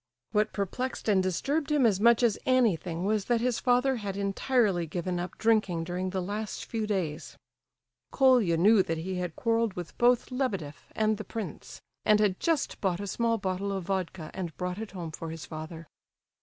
What perplexed and disturbed him as much as anything was that his father had entirely given up drinking during the last few days. Colia knew that he had quarrelled with both Lebedeff and the prince, and had just bought a small bottle of vodka and brought it home for his father.